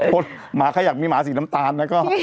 พอข้าอยากมีมหาสีน้ำตาลอยากก็